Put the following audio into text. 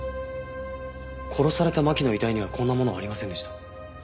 殺された巻の遺体にはこんなものはありませんでした。